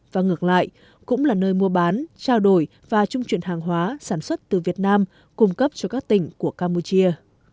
và ngược lại cũng là nơi mua bán trao đổi và trung chuyển hàng hóa sản xuất từ việt nam cung cấp cho các tỉnh của campuchia